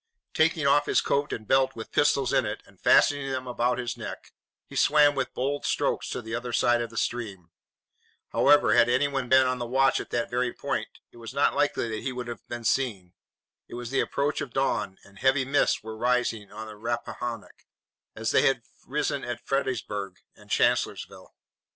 Taking off his coat and belt with pistols in it, and fastening them about his neck, he swam with bold strokes to the other side of the stream. However, had anyone been on the watch at that very point, it was not likely that he would have been seen. It was the approach of dawn and heavy mists were rising on the Rappahannock, as they had risen at Fredericksburg and Chancellorsville.